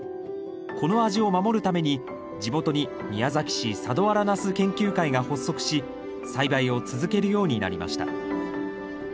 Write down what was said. この味を守るために地元に宮崎市佐土原ナス研究会が発足し栽培を続けるようになりました。